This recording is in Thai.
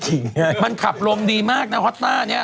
ฉิ่งมันขับลมดีมากนะวะจ้านี้